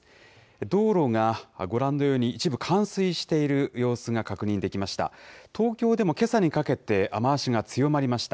道路がご覧のように、一部冠水している様子が確認できました。